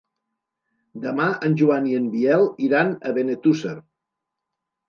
Demà en Joan i en Biel iran a Benetússer.